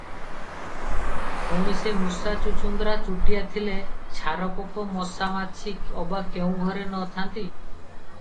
ପୁଣି ସେ ମୂଷା ଚୂଚୂନ୍ଦୁରା ଚୁଟିଆ ଥିଲେ ଛାରପୋକ ମଶାମାଛି ଅବା କେଉଁ ଘରେ ନ ଥାନ୍ତି?